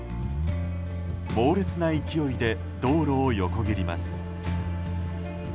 猛烈な勢いで道路を横切ります。